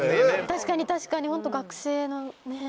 確かに確かにホント学生の。